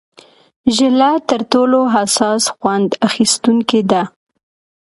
ژله تر ټولو حساس خوند اخیستونکې ده.